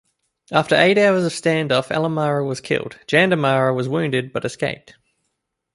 After eight hours of standoff Ellemarra was killed, Jandamarra was wounded but escaped.